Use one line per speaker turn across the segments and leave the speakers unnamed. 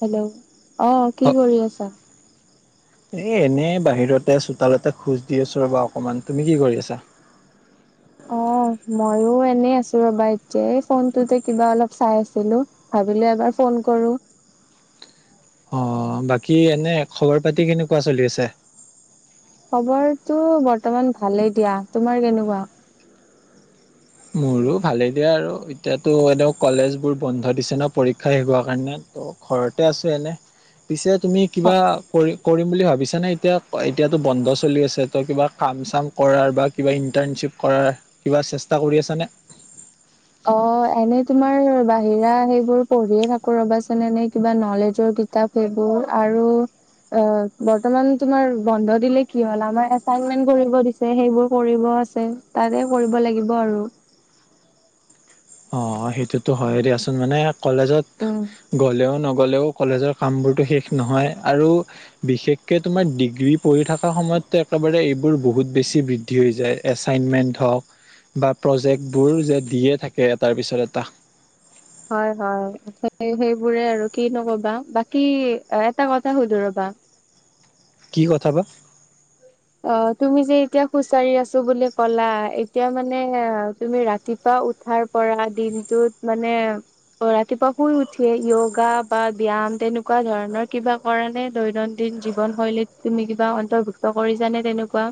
Hello আহ কি কৰি আছা।
এ এনে বাহিৰতে চোতালতে খোজ দি আছো ৰ'বা অকমান তুমি কি কৰি আছা।
[unintelligible] অ মইো এনেই আছো ৰবা এতিয়া ফোনটোতে কিবা অলপ চাই আছিলো ভ। ভাবিলো এবাৰ ফোন কৰো।
অ বাকী এনে খবৰ পাতি কেনেকুৱা চলি আছে।
খবৰটো বৰ্তমান ভালেই দিয়া তোমাৰ কেনেকুৱা।
মোৰো ভালেই দিয়া আৰু এতিয়াতো এদ কলেজ বোৰ বন্ধ দিছে ন পৰীক্ষা শিকোৱা কাৰণে। ত' ঘৰতে আছো এনে, পিছে তুমি কিবা কৰি। কৰিম বুলি ভাবিছা নে এতিয়া এতিয়াাতো বন্ধ চলি আছে ত কিবা কাম চাম কৰাৰ বা কিবা ইন্টাৰ্ণশিপ। কৰা কিবা চেষ্টা কৰি আছ নে।
অ এনে তোমাৰ বাহিৰা সেইবোৰ পঢ়িয়ে থাকো ৰবাচোন এনে কিবা নলেজৰ। কিতাপ এইবোৰ আৰু। অ বৰ্তমান তম বন্ধ দিলে কি হ সেই। আ তাতে কৰিব লাগিব আৰু।
অ সেইটোতো হয় দিয়াচোন, মানে কলেজত গ'লেও ন। গ'লেও কলেজৰ কামবোৰতো শেষ নহয়, আৰু বিশেষকৈ তোমাৰ ডিগ্ৰী পৰিঢ় থকা সময়ত। একেবাৰে এইবোৰ বহুত বেছি বৃদ্ধি হৈ যায় এছাইনমেন্ট হওঁক। বা প্ৰজেক্টবোৰ যে দিয়ে থাকে তাৰ পিছত এটা।
হয় হয় সেই সেইবোৰে আৰু কি নকবা বাকি এটা কথা সুধো ৰবা। অ।
কি কথা বা।
অ তুমি যে এতিয়া খুচাৰি আছো বুলি ক'লা এতিয়া মানে অ তুমি ৰাতিপুৱা। উঠাৰ পৰা দিনটোত মানে। অ ৰাতিপুৱা শুই উঠিয়ে য়োগা বা ব্যায়াম তেনেকুৱা ধৰণৰ কিবা কৰা নে দৈনন্দিন। জীৱনশৈলীত তুমি কিবা অন্তৰ্ভুক্ত কৰিছানে তেনেকুৱা।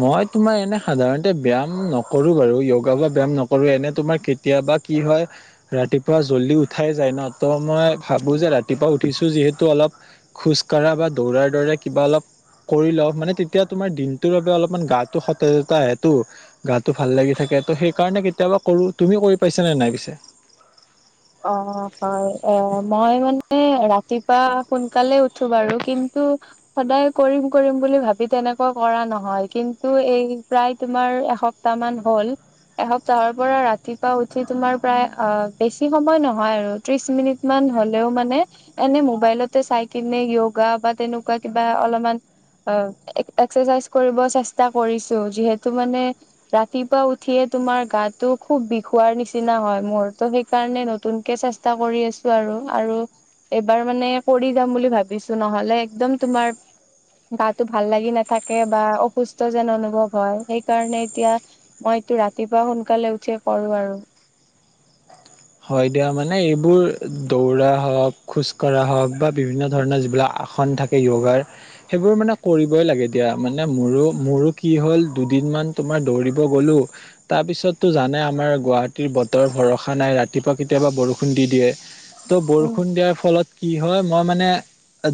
মই তোমাৰ এনে সাধাৰণতে ব্যায়াম নকৰো বাৰু য়োগা বা ব্যায়াম নকৰো এনে তোমাৰ কেতিয়া। বা কি হয় ৰাতিপুৱা জল্দি উঠাই যায় ন ত। মই ভাবোঁ যে ৰাতিপুৱা উঠিছোঁ যিহেতু অলপ। খোজ কঢ়া বা দৌৰাৰ দৰে কিবা অলপ, কৰি লওঁ মানে তেতিয়া তোমাৰ দিন। বাবে অলপমান গাটো সতেজতা সেইটো, গাটো ভাল লাগি থাকে ত সেই কাৰণে কেতিয়াবা কৰো তুমি। কৰি পাইছে নে নাই পিছে।
অ হয় এ মই মানে ৰাতিপুৱান। সকালে উঠো বাৰু কিন্তু। সদায় কৰিম কৰিম বুলি ভাবি তেনেকুৱা কৰা নহয় কিন্তু এই প্ৰায় তোমাৰ এসপ্তাহ। এস্তাহৰ পৰা ৰাতিপুৱা উঠি তমাৰ প্ৰেৰ। সময় নহয় আৰু ত্ৰিশ মিনিট মান হলেও মানে, এনে মোবাইলতে চাই কিনে য়োগা। বা তেনেকুৱা কিবা অলপমান। অ এক্সাৰচাইজ কৰিব চেষ্টা কৰিছো, যিহেতু মানে ৰাতিপুৱা উঠিয়ে। তোমাৰ গাতটো খুব বিষোৱাৰ নিচিনা হয় মোৰতো সেই। কাৰণে নতুন কেে চেষ্টা কৰি আছো আৰু, আৰু এইবাৰ মানে কৰি যাম বুলি ভাবিছো ন। নহ'লে একদম তোমাৰ। গাটো ভাল লাগি নাথাকে বা অসুস্থ যেন অনুভৱ হয় সেইকাৰণে এতিয়া মই। এইটো ৰাতিপুৱা সোনকালে উঠি পঢ়ো আৰু।
হয় দিয়া মানে এইবোৰ দৌৰা হওক খোজকঢ়া হওক বা। বিভিন্ন ধৰণৰ যিবিলাক আসন থাকে। ইউগা সেইবোৰ মানে কৰিবই দিয়া মোৰো কি হল দুদিনমান টো দৌৰিব গলো তাৰপিছতো জানে আমাৰ গুৱাহাটীৰ বতৰ ভৰখা নাই ৰা। ৰাতিপুৱা কেতিয়াবা বৰষুণ দি দিয়ে, ত' বৰষুণ দিয়াৰ ফলত কি হয় মই মানে।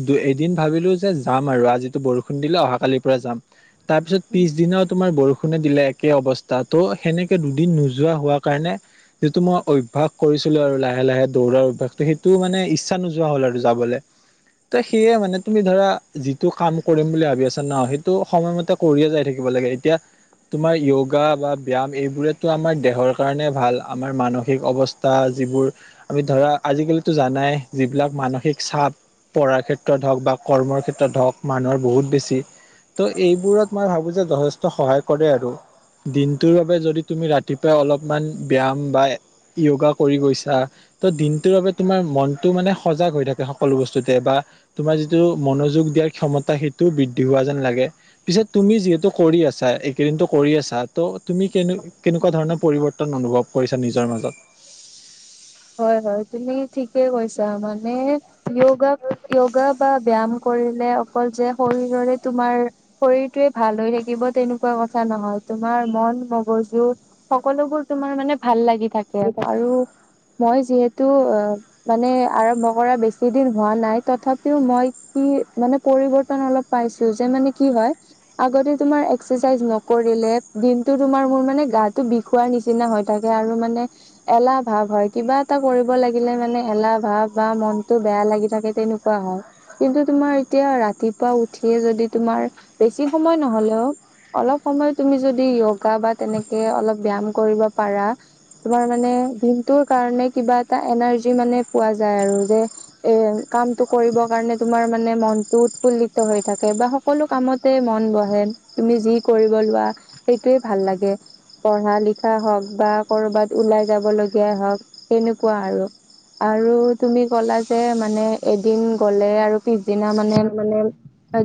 দু এদিন ভাবিলো যে যাম আৰু আজিতো বৰষুণ দিলে অহাকালিৰ পৰা যাম। তাৰ পিছত পিছদিনা তোমাৰ বৰ। শুনে দিলে একে অৱস্থা ত' সেনেকে দুদিন নোযোৱা হোৱা কাৰণে যিটো মই অভ্যাস কৰিছিলো আৰু লাহে লাহে দৌৰাৰ অভ্যাসটো সেইটো মানে ইচ্ছা নোযোৱা হ'ল আৰু যাবলে। তহ সেইয়ে মানে তুমি ধৰা যিটো কাম কৰিম বুলি ভাবি আছা ন, সেইটো সময়মতে কৰিয়ে যাই থাকিব লাগে এতিয়া তোমাৰ য়োগা বা ব্যয়াম এইবোৰেতো আমাৰ দেহৰ কাৰণে ভাল আমাৰ মানসিক অৱ স্তা যিবোৰ আমি ধৰা আজিকালিতো জানাই যিবিলাক মানসিক চাপ পঢ়াৰ ক্ষেত্ৰত হওঁক বা কৰ্মৰ ক্ষেত্ৰত হওঁক মানুহৰ বহুত বেছি তহ' এইবোৰত মই ভাবো যে যথেষ্ট সহায় কৰে আৰু। দিনটোৰ বাবে যদি তুমি ৰাতিপুৱাই অলপমান ব্যয়াম বা য়োগা কৰি গৈছা ত দিনটোৰ বাবে তোমাৰ মনতটো মানে সজাগ হৈ থাকে সকলো বস্তুতে বা তোমাৰ যিটো মনযোগ দিয়াৰ ক্ষমতা সেইটো বৃদ্ধি হোৱা যেন লাগে পিছত তুমি যিহেতু কৰি আছা ‌দিনটো কৰি আছা তহ তুমি কে কেনেকুৱা ধৰণৰ পৰিৱৰ্তন অনুভৱ কৰিছা নিজৰ মাজত?
তুমি ঠিকে কৈছা মানে য়োগা য়োগা বা ব্যয়াম কৰিলে অকল যে শৰীৰৰে তোমাৰ শৰীৰটোৱে ভাল হৈ থাকিব তেনেকুৱা কথা নহয়, তোমাৰ মন মগজু সকলোবোৰ তোমাৰ মানে ভাল লাগি থাকে। আৰু যিহেতু মানে আৰম্ভ কৰা বেছি দিন হোৱা নাই তথাপিও মই কি মানে পৰিবৰ্তন অলপ পাইছোঁ যে মানে কি হয় আগতে তোমাৰ এক্সাৰচাইজ নকৰিলে দিনটো তোমাৰ মোৰ মানে গাটো বিষ হোৱাৰ নিচিনা হৈ থাকে আৰু মানে এলাহ ভাৱ হয়। কিবা এটা কৰিব লাগিলে মানে এলাহ ভাৱ বা মনতটো বেয়া লাগি থাকে তেনেকুৱা হয়। কিন্তু তোমাৰ এতিয়া ৰাতিপুৱা উঠিয়ে যদি তোমাৰ বেছি সময় নহলেও অলপ সময় তুমি যদি য়োগা বা তেনেকে অলপ ব্যায়াম কৰিব পাৰা তোমাৰ মানে দিনটোৰ কাৰণে কিবা এটা এনাৰ্জি মানে পোৱা যায় আৰু যে এ কামটো কৰিব কাৰণে তোমাৰ মানে মনতটো উৎফুল্লিত হৈ থাকে বা সকলো কামতে মন বহে তুমি যি কৰিব লোৱা। সেইটোয়ে ভাল লাগে। পঢ়া লিখা হওক বা কৰবাত ওলাই যাব লগিয়াই হওক, তেনেকুৱা আৰু। আৰু তুমি ক'লা যে মানে এদিন গ'লে আৰু পিছ দিনা মানে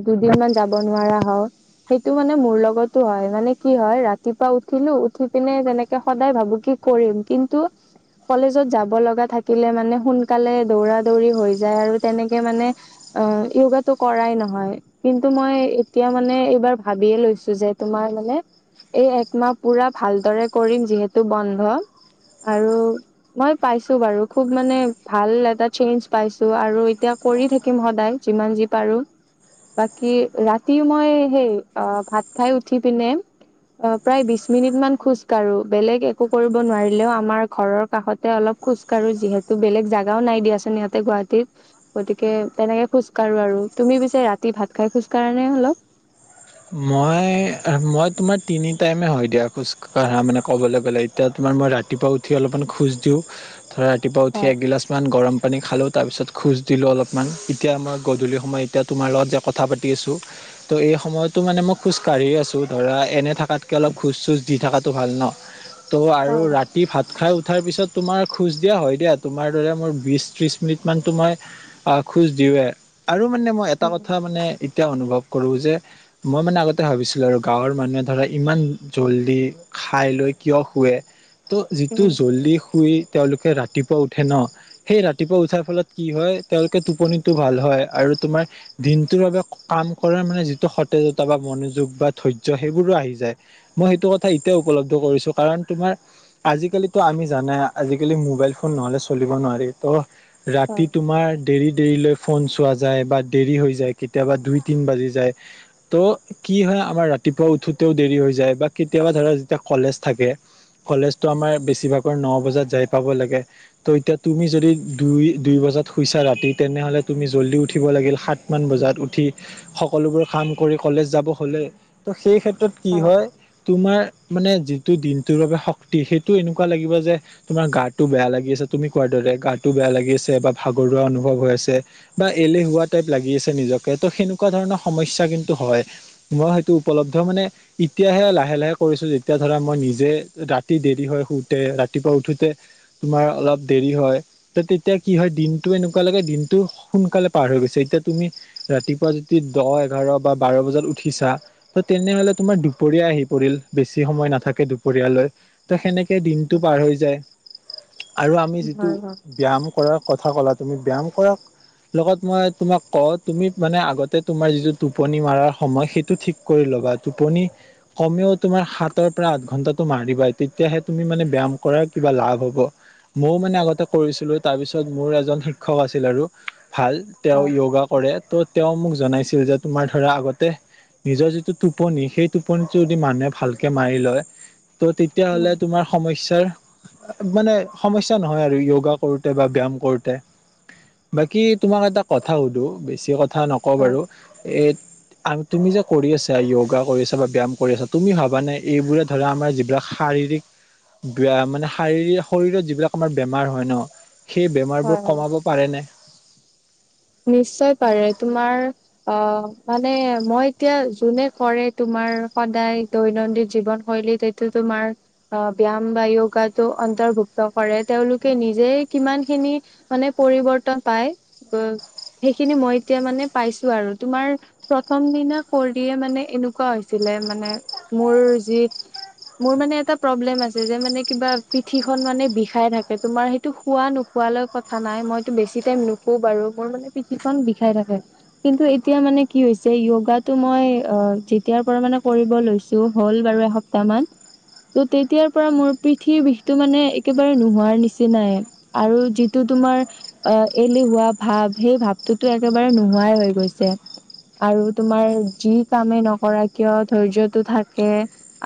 দুদিন মান যাব নোৱাৰা হওক সেইটো মানে মোৰ লগতো হয় মানে কি হয় ৰাতিপুৱা উঠিলো উঠি পিনে তেনেকে সদায় ভাবো কি কৰিম কিন্তু কলেজত যাব লগা থাকিলে মানে সোনকালে দৌৰা দৌৰি হৈ যায় আৰু, তেনেকে মানে য়োগাটো কৰাই নহয় কিন্তু মই এতিয়া মানে এইবাৰ ভাবিয়ে লৈছো যে তোমাৰ মানে এই একমাহ পুৰা ভালদৰে কৰিম যিহেতু বন্ধ। আৰু মই পাইছো বাৰু খুব মানে ভাল এটা চেঞ্জ পাইছো আৰু এতিয়া কৰি থাকিম সদায়। যিমান যি পাৰো। বাকী ৰাতি মই সেই ভাত খাই উঠি পিনে অ প্ৰায় বিশ মিনিট মান খোজ কঢ়ো বেলেগ একো কৰিব নোৱাৰিলেও আমাৰ ঘৰৰ কাষতে অলপ খোজ কাঢ়ো যিহেতু বেলেগ জোগাও নাই দিয়াচোন সিহঁতে গুৱাহাটীত গতিকে তেনেকে খোজকাঢ়ো আৰু তুমি পিছে ৰাতি ভাত খাই খোজ কঢ়া‌ নে অলপ?
মই মই তোমাৰ তিনি টাইমে হয় দিয়া খোজ কাঢ়া মানে ক'বলৈ গলে এতিয়াটো মই ৰাতিপুৱা উঠি অলপমান খোজ দিওঁ ধ ৰাতিপুৱা উঠি এগিলাচমান গৰম পানী খালো তাৰপিছত খোজ দিলোঁ অলপমান এতিয়া মই গধূলি সময় এতিয়া তোমাৰ লগত যে কথা পাতি আছো তহ এই সময়ত টো মানে মই খোজ কাঢ়ি আছোঁ ধৰা এনে থকাতকে অলপ খোজ চোজ দি থকাটো ভাল ন? ত' আৰু ৰাতি ভাত খাই উ উঠাৰ পিছত তোমাৰ খোজ দিয়া হয় দিয়া তোমাৰ দৰে মোৰ বিশ ত্ৰিশ মিনিট ম তোমাৰ খোজ দি য়োৱে আৰু মানে মই এটা কথা মানে এতিয়া অনুভৱ কৰো যে মই মানে আগতে ভাবিছিলো আৰু গাঁৱৰ মানুহে ধৰা ইমান যল্দি খাই লৈ কিয় শুৱে তো যিটো যল্দি শুই তেওঁলোকে ৰাতিপুৱা উঠে ন সেই ৰাতিপুৱা উঠাৰ ফলত কি হয় তেওঁলোকে টোপনিটো ভাল হয়। আৰু তোমাৰ দিনটোৰ বাবে কাম কৰাৰ মানে যিটো, বা মনোযোগ বা ধৈৰ্য্য সেইবোৰো আহি যায় মই সেইটো কথা এতিয়া উপলব্ধ কৰিছো কাৰণ তোমাৰ আজিকালিতো আমি জানাই আজিকালি মোবাইল ফোন নহলে চলিব নোৱাৰি ত' ৰাতি তোমাৰ দেৰি-দেৰিলৈ ফোন চোৱা যায় বা দেৰি হৈ যায় কেতিয়াবা দুই তিন বাজি যায়। ত' কি হয় আমাৰ ৰাতিপুৱা উঠোতেও দেৰি হৈ যায় বা কেতিয়াবা ধৰা যেতিয়া কলেজ থাকে, কলেজটো আমাৰ বেছিভাগৰ ন বজাত যাই পাব লাগে ত' এতিয়া তুমি যদি দুই-দুই বজ বজাত শুইছা ৰাতি তেনেহলে তুমি জল্দি উঠিব লাগিল সাতমান বজাত উঠি সকলোবোৰ কাম কৰি কলেজ যাব হ'লে তো সেই ক্ষেত্ৰত কি হয় তোমাৰ মানে যিটো দিনটোৰ বাবে শক্তি সেইটো এনেকুৱা লাগিব যে তোমাৰ গাতটো বেয়া লাগি আছে তুমি কোৱাৰ দৰে গাটো বেয়া লাগিছে বা ভাগৰুৱা অনুভৱ হৈ আছে বা এলেহুৱা টাইপ লাগি আছে নিজকে সেনেকুৱা ধৰণৰ সমস্যা কিন্তু হয় মই সেইটো উপলব্ধ মানে এতিয়াহে লাহে-লাহে কৰিছো যেতিয়া ধৰা মই নিজে ৰাতি দেৰি হয় শুতে ৰাতিপুৱা উঠোতে তোমাৰ অলপ দেৰি হয় ত তেতিয়া কি হয় দ দিনটো এনেকুৱা লাগে দিনটো সোনকালে পাৰ হৈ গৈছে এতিয়া তুমি ৰাতিপুৱা যদি দহ এঘাৰ বা বাৰ বজাত উঠিছা ত তেনেহলে তোমাৰ দুপৰীয়া আহি পৰিল বেছি সময় নাথাকে দুপৰীয়ালৈ ত সেনেকে দিনটো পাৰ হৈ যায়। [inaudible] আৰু আমি যিটো ব্যায়াম কৰাৰ কথা ক'লা তুমি ব্যায়াম কৰা লগত মই তোমাক কওঁ তুমি মানে আগতে তোমাৰ যিটো টোপনি মৰাৰ সময় সেইটো ঠিক কৰি লবা টোপনি কমেও তোমাৰ সাতৰ পৰা আঠ ঘন্টাত মাৰিবাই তেতিয়াহে তুমি মানে ব্যায়াম কৰাৰ কিবা লাভ হ'ব ময়ও মানে আগতে কৰিছিলো তাৰ পিছত মোৰ এজন শিক্ষক আছিল আৰু ভাল তেওঁ য়োগা কৰে ত' তেওঁ মোক জনাইছিল যে তোমাৰ ধৰা আগতে নিজৰ যিটো টোপনি সেই টোপনিটো যদি মানুহে ভালকে মাৰি লয় ত' তেতিয়াাহ'লে তোমাৰ সমস্যা ৰ মানে সমস্যা নহয় আৰু য়োগা কৰোতে বা ব্যায়াম কৰোঁতে। বাকী তোমাক এটা কথা সুধো বেছি কথা নকওঁ বাৰু এ তুমি যে কৰি আছা য়োগা কৰি আছা বা ব্যায়াম কৰি আছা তুমি ভবানে এইবোৰে ধৰা আমাৰ যিবিলাক সাৰ শাৰীৰিক মানে [unintelligible] শৰীৰত যিবিলাক আমাৰ বেমাৰ হয় ন সেই বেমাৰবোৰ কমাব পাৰেনে?
নিশ্চয় পাৰে তোমাৰ অ মানে মই এতিয়া যোনে কৰে তোমাৰ তোমাৰ সদায় দৈনন্দিন জীৱন শৈলীত এইটো তোমাৰ অ ব্যায়াম বা য়োগাটো অন্তৰ্ভুক্ত কৰে তেওঁলোকে নিজে কিমানখিনি মানে পৰিৱৰ্তন পায় সেইখিনি মই এতিয়া মানে পাইছো আৰু তোমাৰ প্ৰথম দিনা কৰিয়ে মানে এনেকুৱা হৈছিল মানে মোৰ যি মোৰ মানে এটা প্ৰব্লেম আছে যে পিঠি খন মানে বিষাই থে তোমাৰ সেইটো নো শুৱালৈ কথা নাই মইতো বেছি টাইম নুশু বাৰু মোৰ মানে, পিঠিখন বিষাই থাকে কিন্তু এতিয়া মানে কি হৈছে য়োগাটো মই অ যেতিয়াৰ পৰা মানে কৰিব লৈছো হ'ল বাৰু এসপ্তাহমান। ত' তেতিয়াৰ পৰা মোৰ পিঠিৰ বিষটো মানে একেবাৰে নোহোৱাৰ নিচিনাই আৰু যিটো তোমাৰ আহ এলেহুৱা ভাৱ সেই ভাৱটোতো একেবাৰে নোহোৱাই হৈ গৈছে। আৰু তোমাৰ যি কামে নকৰা কিয় ধৈৰ্যটো থাকে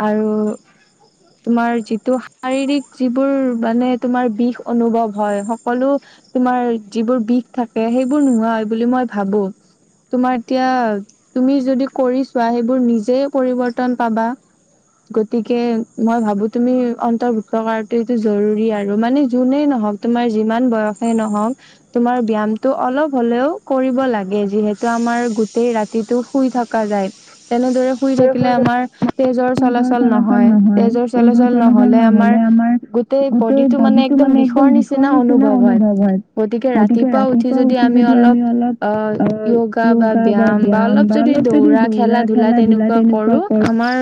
আৰু তোমাৰ যিটো শাৰীৰিক যিবোৰ মানে তোমাৰ বিষ অনুভৱ হয় সকলো তোমাৰ যিবোৰ বিষ থাকে সেইবোৰ নোহাই বুলি মই ভাবোঁ। তোমাৰ এতিয়া তুমি যদি কৰিছোৱা সেইবোৰ নিজে পৰিৱৰ্তন পাবা। গতিকে মই ভাবো তুমি অন্তৰ্ভুক্ত কৰাত এইটো জৰুৰী আৰু মানে যোনেই ন [unintelligible] তোমাৰ যিমান বয়সে নহ‌ওক তোমাৰ ব্যায়াম। অলপ হ'লেও কৰিব লাগে যিহেতু আমাৰ গোটেই ৰাতিতটো শুই থকা যায়। এনেদৰে শুই থাকিলে আমাৰ তেজৰ চলাচল চলাচল নহয় তেজৰ চলাচল নহলে আমাৰ গোটেই বডিটো মানে একদম বিষৰ নিচিনা অনুভৱ হয় গতিকে ৰাতিপুৱা আমি অলপ যোগা বা ব্যায়ম বা অলপ যদি দৌৰা খেলা ধুলা অঁ তেনেকুৱা কৰোঁ আমাৰ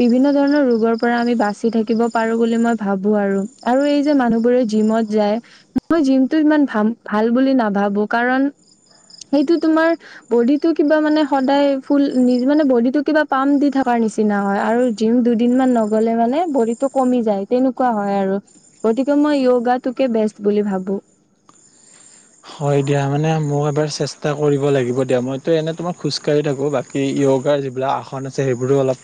বিভিন্ন ধৰণৰ ৰোগৰ আমি বাচি থাকিব পাৰো বুলি মই ভাবো আৰু আৰু এই যে মানুহবোৰে জিমত যায়। মই জিমটো ইমান ভ ভাল বুলি নাভাবো কাৰণ সেইটো তোমাৰ বডিটো কিবা মানে সদায় ফুল মানে বডিটো কিবা পাম দি থকা নিচিনা হয় আৰু জিম দুদিন মান নগলে মানে বডটো কমি যায় তেনেকুৱা হয় আৰু গতিকে মই য়োগাটোকে বেষ্ট বুলি ভাবো
হয় দিয়া মানে মোক এবাৰ চেষ্টা কৰিব লাগিব দিয়া মইতো এনেই তোমাক খোজকাঢ়ি থাকোঁ বাকী য়োগাৰ। যিবিলাক আসন আছে সেইবোৰো অলপ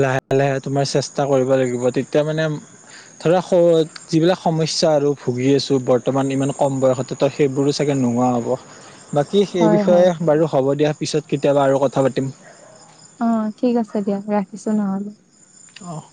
লাহে লাহে তোমাৰ চেষ্টা কৰিব লাগিব তেতিয়া মানে ধৰা যিবিলাক সমস্যা আৰু ভুগি আছো বৰ্তমান ইমান কম বয়সতে তই সেইবোৰো চাগে নোহোৱা হ'ব বাকী সেই বিষয়ে বাৰু হ'ব দিয়াৰ পিছত কেতিয়াবা আৰু কথা পাতিম
অ ঠিক আছে দিয়া ৰাখিছো নহ'লে।
অঁ